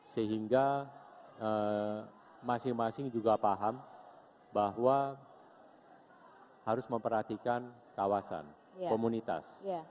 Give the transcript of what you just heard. sehingga masing masing juga paham bahwa harus memperhatikan kawasan komunitas